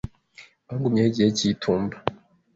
Bagumyeyo igihe cy'itumba.